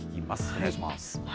お願いします。